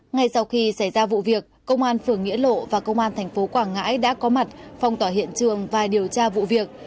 ngày sau khi xảy ra vụ việc công an phường nghĩa lộ và công an thành phố quảng ngãi đã có mặt phòng tỏa hiện trường và điều tra vụ việc